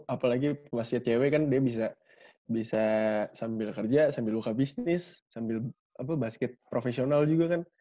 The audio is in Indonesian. apalagi pas icw kan dia bisa sambil kerja sambil buka bisnis sambil basket profesional juga kan